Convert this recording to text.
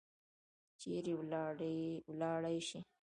چیرې ولاړي شي؟